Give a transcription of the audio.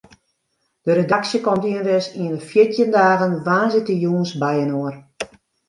De redaksje komt ienris yn de fjirtjin dagen woansdeitejûns byinoar.